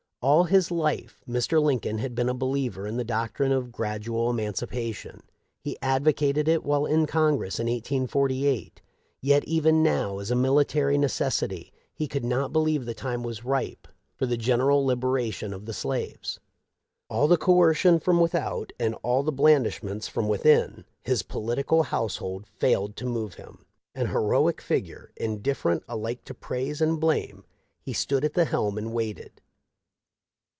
All his life Mr. Lincoln had been a believer in the doctrine of gradual emancipation. He advocated it while in Congress in 1848 ; yet even now, as a military neces sity, he could not believe the time was ripe for the 548 THE LIFE OF LINCOLN. general liberation of the slaves. All the coercion from without, and all the blandishments from within, his political household failed to move him. An heroic figure, indifferent alike to praise and blame, he stood at the helm and waited.